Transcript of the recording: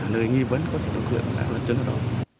nơi nghi vấn có thể tổng hợp lần chứng ở đó